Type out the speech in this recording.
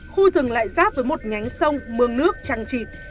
khu rừng lại giáp với một nhánh sông mương nước trăng trịt